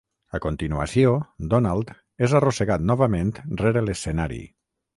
A continuació, Donald és arrossegat novament rere l'escenari.